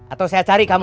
atau saya cari kamu